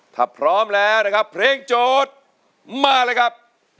ถ้าพร้อมแล้วนะครับเพลงโจทย์มาเลยครับ